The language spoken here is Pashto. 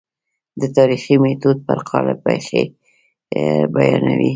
د تاریخي میتود پر قالب پېښې بیانوي.